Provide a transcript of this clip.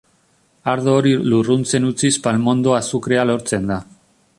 Ardo hori lurruntzen utziz palmondo-azukrea lortzen da.